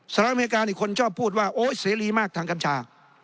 สหรัฐอเมริกาอีกคนชอบพูดว่าโอ๊ยเสรีมากทางกัญชา